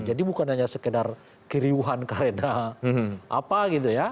jadi bukan hanya sekedar kiriuhan karena apa gitu ya